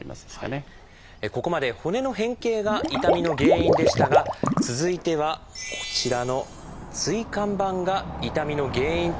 ここまで骨の変形が痛みの原因でしたが続いてはこちらの椎間板が痛みの原因となるケースです。